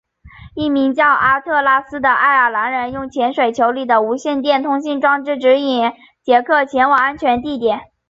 一名叫阿特拉斯的爱尔兰人用潜水球里的无线电通信装置指引杰克前往安全地点。